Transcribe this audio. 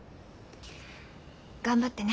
頑張ってね。